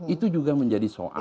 itu juga menjadi soal